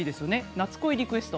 「夏恋リクエスト」